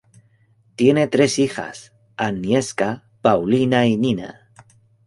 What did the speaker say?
Tiene tres hijas, Agnieszka, Paulina y Nina.